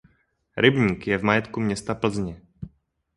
Rybník je v majetku města Plzně.